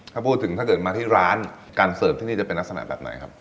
ถ้าพูดถึงถ้าเกิดมาที่ร้านการเสิร์ฟที่นี่จะเป็นลักษณะแบบไหนครับ